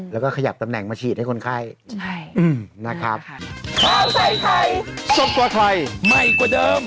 แล้วก็ขยับตำแหน่งมาฉีดให้คนไข้นะครับใช่นะครับ